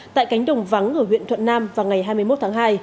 tại cánh đồng vắng ở huyện thuận nam vào ngày hai mươi một tháng hai